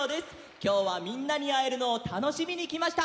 きょうはみんなにあえるのをたのしみにきました。